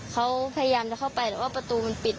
เขาพยายามจะเข้าไปแต่ว่าประตูมันปิด